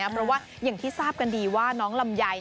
เพราะว่าอย่างที่ทราบกันดีว่าน้องลำไย